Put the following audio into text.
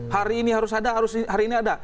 hari ini harus ada harus hari ini ada